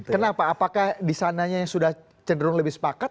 kenapa apakah disananya sudah cenderung lebih sepakat